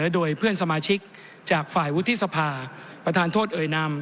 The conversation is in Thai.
โดยเพื่อนสมาชิกจากฝ่ายวุฒิสภาประธานโทษเอ่ยนำ